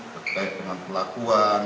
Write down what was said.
terkait dengan pelakuan